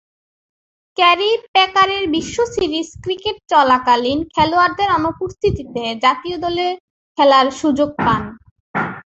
Carry প্যাকারের বিশ্ব series cricket চলাকালীন খেলোয়াড়দের অনুপস্থিতিতে জাতীয় দলে খেলার সুযোগ পান।